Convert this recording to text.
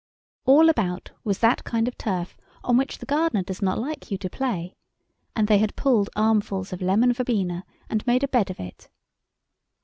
All about was that kind of turf on which the gardener does not like you to play, and they had pulled armfuls of lemon verbena and made a bed of it.